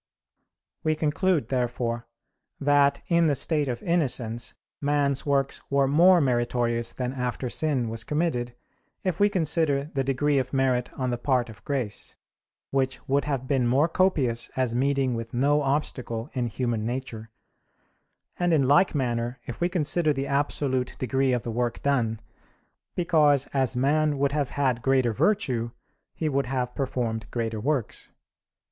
We conclude therefore that in the state of innocence man's works were more meritorious than after sin was committed, if we consider the degree of merit on the part of grace, which would have been more copious as meeting with no obstacle in human nature: and in like manner, if we consider the absolute degree of the work done; because, as man would have had greater virtue, he would have performed greater works.